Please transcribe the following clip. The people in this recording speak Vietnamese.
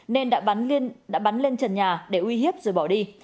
nên đã bắn lên trần nhà để uy hiếp rồi bỏ đi